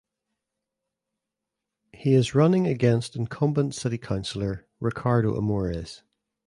He is running against incumbent city councilor Ricardo Amores.